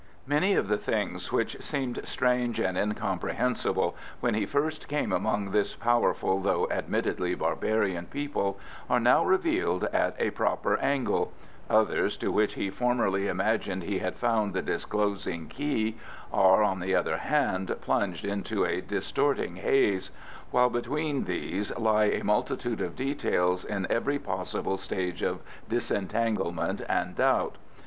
Many of the things which seemed strange and incomprehensible when he first came among this powerful though admittedly barbarian people, are now revealed at a proper angle; others, to which he formerly imagined he had found the disclosing key, are, on the other hand, plunged into a distorting haze; while between these lie a multitude of details in every possible stage of disentanglement and doubt.